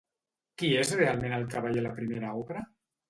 Qui és realment el cavaller a la primera obra?